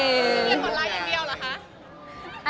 มันเป็นปัญหาจัดการอะไรครับ